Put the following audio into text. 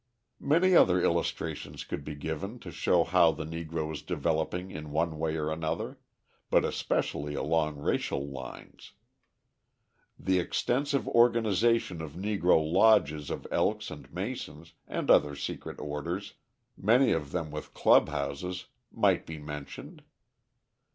Many other illustrations could be given to show how the Negro is developing in one way or another but especially along racial lines. The extensive organisation of Negro lodges of Elks and Masons and other secret orders, many of them with clubhouses, might be mentioned.